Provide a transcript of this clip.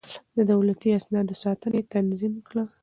د دولتي اسنادو ساتنه يې تنظيم کړه.